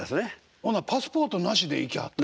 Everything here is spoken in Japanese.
ほなパスポートなしで行きはった？